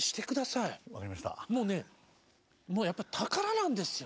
もうねもうやっぱ宝なんですよ。